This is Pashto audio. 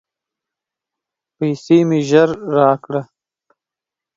پیسې مي ژر راکړه !